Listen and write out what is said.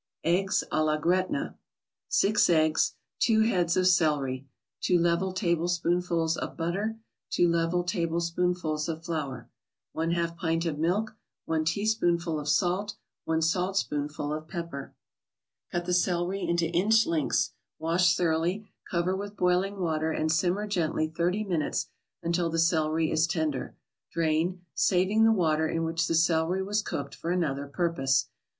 EGGS A LA GRETNA 6 eggs 2 heads of celery 2 level tablespoonfuls of butter 2 level tablespoonfuls of flour 1/2 pint of milk 1 teaspoonful of salt 1 saltspoonful of pepper Cut the celery into inch lengths, wash thoroughly, cover with boiling water and simmer gently thirty minutes until the celery is tender; drain, saving the water in which the celery was cooked for another purpose.